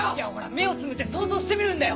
目をつむって想像してみるんだよ。